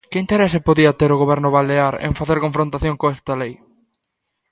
¿Que interese podía ter o Goberno balear en facer confrontación con esta lei?